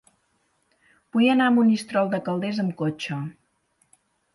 Vull anar a Monistrol de Calders amb cotxe.